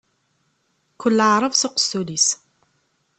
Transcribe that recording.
Kull aεrab s uqessul-is.